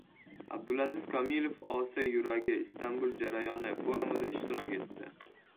Abdulaziz Komilov “Osiyo yuragi – Istanbul jarayoni” forumida ishtirok etdi